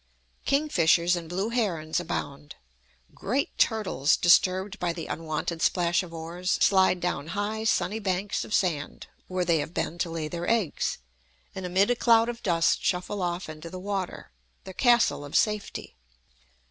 Kingfishers and blue herons abound. Great turtles, disturbed by the unwonted splash of oars, slide down high, sunny banks of sand, where they have been to lay their eggs, and amid a cloud of dust shuffle off into the water, their castle of safety.